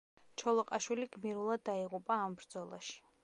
ჩოლოყაშვილი გმირულად დაიღუპა ამ ბრძოლაში.